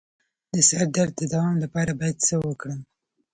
د سر درد د دوام لپاره باید څه وکړم؟